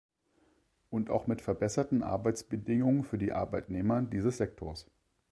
Und auch mit verbesserten Arbeitsbedingungen für die Arbeitnehmer dieses Sektors.